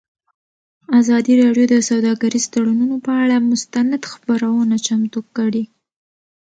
ازادي راډیو د سوداګریز تړونونه پر اړه مستند خپرونه چمتو کړې.